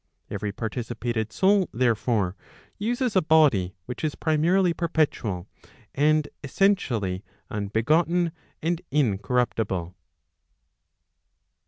Every participated soul, therefore, uses a body which is primarily perpetual, and essentially unbegotten and incorruptible.